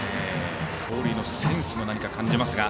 走塁のセンスも感じますが。